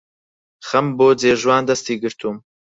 خەم بۆ جێژوان دەستی گرتووم